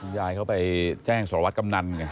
ยายเขาไปแจ้งสมวรรค์กำนัน